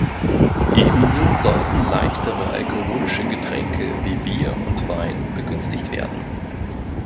Ebenso sollten leichtere alkoholische Getränke wie Bier und Wein begünstigt werden.